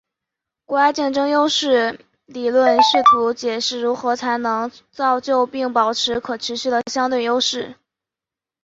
国家竞争优势理论试图解释如何才能造就并保持可持续的相对优势。